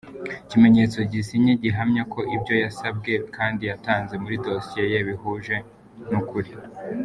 Ikimenyetso gisinye gihamya ko ibyo yasabwe kandi yatanze muri dosiye ye bihuje n’ukuri;.